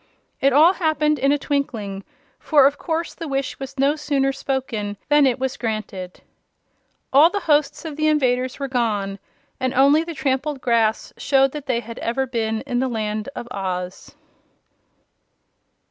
It all happened in a twinkling, for of course the wish was no sooner spoken than it was granted. All the hosts of the invaders were gone, and only the trampled grass showed that they had ever been in the Land of Oz.